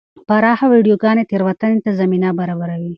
پراخه ویډیوګانې تېروتنې ته زمینه برابروي.